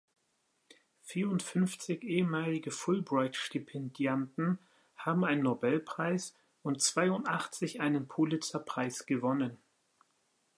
Vierundfünfzig ehemalige Fulbright-Stipendiaten haben einen Nobelpreis und zweiundachtzig einen Pulitzerpreis gewonnen.